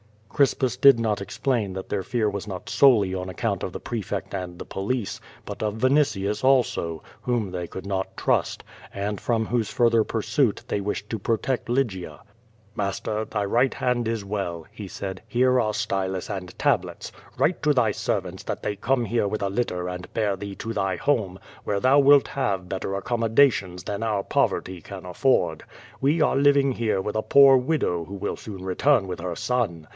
Crispus did not explain that their fear was not solely on account of the prefect and the jwlice, but of Vinitius also, IS^ QUO VAD18, whom they could not trust, and from whose further pursuit they wished to protect Lygia. "Master, thy right hand is well," he said. "Here are sty lus and tablets. Write to thy servants that they come here with a litter and bear thee to thy home, where thou wilt have better accommodations than our poverty can afford. We are living here with a poor widow who will soon return with her son.